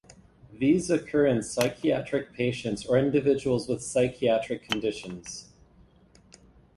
These occur in psychiatric patients or individuals with psychiatric conditions.